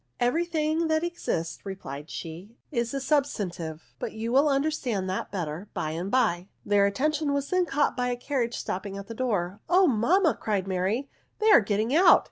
" Every thing that exists," replied she, " is a substantive ; but you will understand that better by and by." Their attention was then caught by the carriage stopping at the door. " Oh, mam ma," cried Mary, " they are getting out.